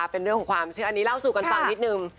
เป็นเรื่องของความเชื่ออันนี้เล่าสู่กันฟังนิดนึง